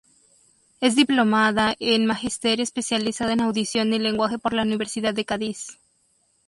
Es diplomada en Magisterio especializado en Audición y Lenguaje por la Universidad de Cádiz.